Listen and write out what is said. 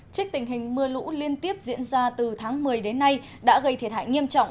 trích tình hình mưa lũ liên tiếp diễn ra từ tháng một mươi đến nay đã gây thiệt hại nghiêm trọng